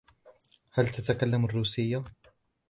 هل تتكلم الروسية ؟